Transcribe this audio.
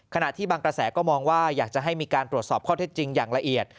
ขณะที่บางกระแสก็มองว่าอยากจะให้มีการตรวจสอบข้อเท็จจริงอย่างละเอียด